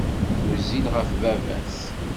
Wezzil ɣef baba-s.